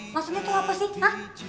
maksudnya tuh apa sih